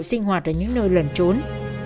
sinh hoạt ở những nơi lẩn trốn